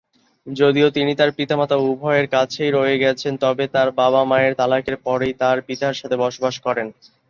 যদিও তিনি তার পিতামাতা উভয়ের কাছেই রয়ে গেছেন, তবে তার বাবা-মায়ের তালাকের পরেই তার পিতার সাথে বসবাস করেন।